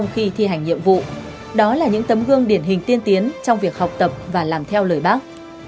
khi thi hành nhiệm vụ đó là những tấm gương điển hình tiên tiến trong việc học tập và làm theo lời bác